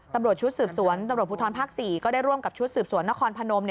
ตำรวจชุดสืบสวนตำรวจภูทรภาค๔ก็ได้ร่วมกับชุดสืบสวนนครพนม